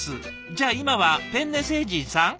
じゃあ今はペンネ星人さん？